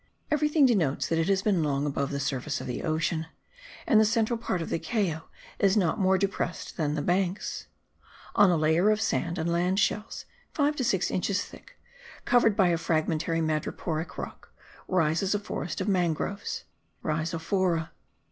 Everything denotes that it has been long above the surface of the ocean; and the central part of the Cayo is not more depressed than the banks. On a layer of sand and land shells, five to six inches thick, covered by a fragmentary madreporic rock, rises a forest of mangroves (Rhizophora).